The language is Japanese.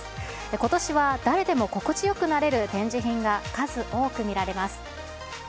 ことしは誰でも心地よくなれる展示品が数多く見られます。